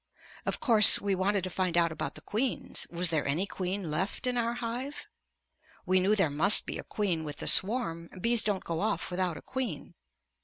Of course we wanted to find out about the queens. Was there any queen left in our hive? We knew there must be a queen with the swarm; bees don't go off without a queen.